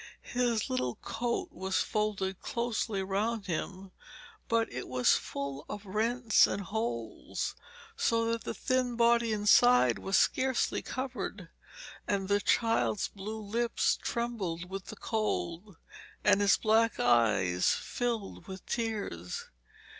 His little coat was folded closely round him, but it was full of rents and holes so that the thin body inside was scarcely covered, and the child's blue lips trembled with the cold, and his black eyes filled with tears.